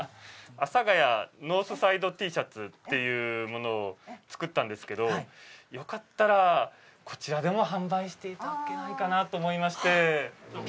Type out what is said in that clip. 阿佐ヶ谷ノースサイドＴシャツっていうものを作ったんですけどよかったらこちらでも販売して頂けないかなと思いまして。